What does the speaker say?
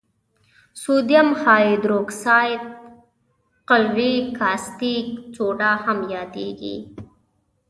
سودیم هایدروکساید قلوي کاستیک سوډا هم یادیږي.